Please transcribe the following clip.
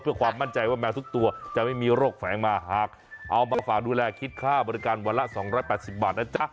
เพื่อความมั่นใจว่าแมวทุกตัวจะไม่มีโรคแฝงมาหากเอามาฝากดูแลคิดค่าบริการวันละ๒๘๐บาทนะจ๊ะ